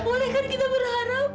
bolehkan kita berharap